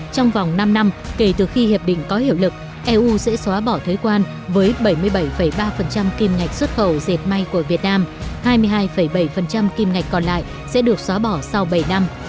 trong vòng năm năm kể từ khi hiệp định có hiệu lực eu sẽ xóa bỏ thuế quan với bảy mươi bảy ba kim ngạch xuất khẩu dệt may của việt nam hai mươi hai bảy kim ngạch còn lại sẽ được xóa bỏ sau bảy năm